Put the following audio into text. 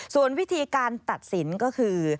ส่วนวิธีการตัดสินก็คือ